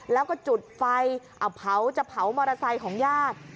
แล้วก็จุดไฟเอาเผาจะเผามอเตอร์ไซค์ของญาติ